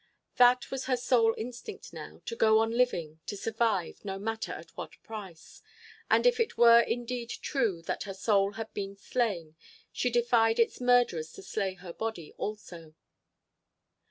That was her sole instinct now, to go on living, to survive, no matter at what price. And if it were indeed true that her soul had been slain, she defied its murderers to slay her body also.